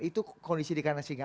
itu kondisi di kanan singa